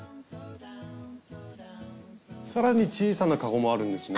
更に小さな籠もあるんですね。